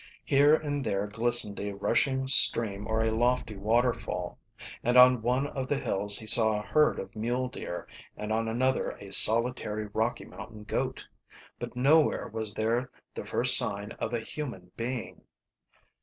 Here and there glistened a rushing stream or a lofty waterfall, and on one of the hills he saw a herd of mule deer and on another a solitary Rocky Mountain goat. But nowhere was there the first sign of a human being.